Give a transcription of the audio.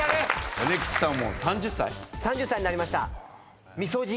米吉さんもう３０歳？